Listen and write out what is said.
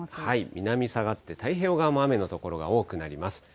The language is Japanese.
南下がって、太平洋側も雨の所が多くなります。